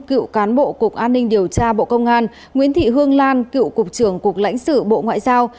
cựu cán bộ cục an ninh điều tra bộ công an nguyễn thị hương lan cựu cục trưởng cục lãnh sự bộ ngoại giao